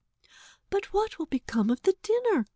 "But what will become of the dinner?"